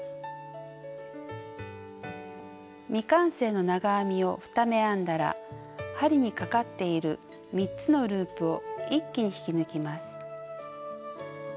未完成の長編みを２目編んだら針にかかっている３つのループを一気に引き抜きます。